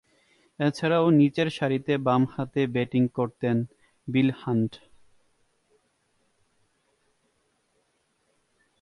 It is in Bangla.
এছাড়াও, নিচেরসারিতে বামহাতে ব্যাটিং করতেন বিল হান্ট।